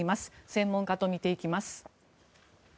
専門家と見ていきます。